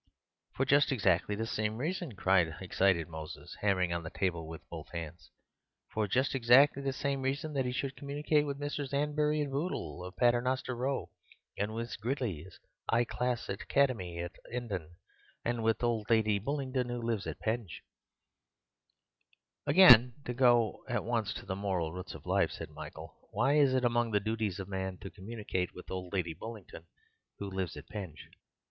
"For just exactly the sime reason," cried the excited Moses, hammering on the table with both hands, "for just exactly the sime reason that he should communicate with Messrs. 'Anbury and Bootle of Paternoster Row and with Miss Gridley's 'igh class Academy at 'Endon, and with old Lady Bullingdon who lives at Penge." "Again, to go at once to the moral roots of life," said Michael, "why is it among the duties of man to communicate with old Lady Bullingdon who lives at Penge?"